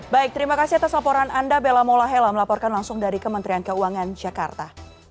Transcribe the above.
baik terima kasih atas laporan anda bella molahela melaporkan langsung dari kementerian keuangan jakarta